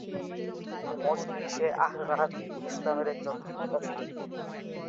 তিনি মজলিস-এ-আহরার-ই-ইসলামের একজন নেতা ছিলেন।